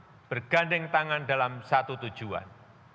saling berganding tangan dalam satu tujuan